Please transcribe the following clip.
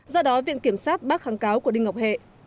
do đó viện kiểm sát bác kháng cáo của đinh ngọc hệ